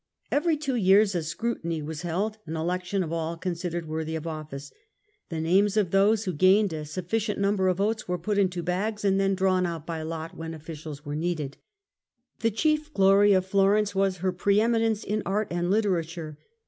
Every two years a Scrutiny was held, an election of all considered worthy of office. The names of those who gained a sufficient number of votes were put into bags, and then drawn out by lot when officials were needed. The chief glory of Florence was her pre eminence in art and literature.